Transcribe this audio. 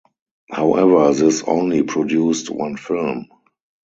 However this only produced one film.